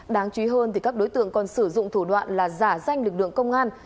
đáng chú ý hơn thì các đối tượng còn sử dụng thủ đoạn là giả danh lực lượng công an